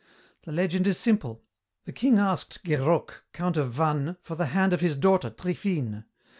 The legend is simple. The king asked Guerock, count of Vannes, for the hand of his daughter, Triphine.